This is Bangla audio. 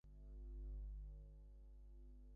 শেষোক্তেরা আনন্দ ও বেদনার মধ্যে ছুটোছুটি করে।